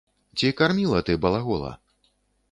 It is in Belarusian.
Ці карміла ты балагола?